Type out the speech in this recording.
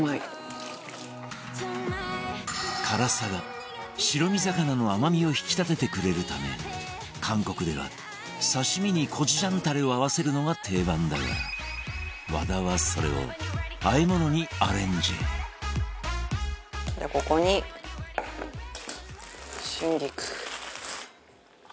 辛さが白身魚の甘みを引き立ててくれるため韓国では刺身にコチュジャンタレを合わせるのが定番だが和田はそれをここに春菊。